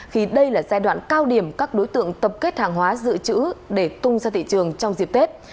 khi đây là giai đoạn cao điểm các đối tượng tập kết hàng hóa dự trữ để tung ra thị trường trong dịp tết